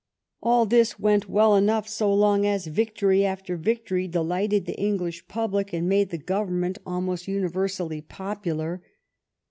All this went well enough so long as victory after victory delighted the English public and made the government almost universally popular.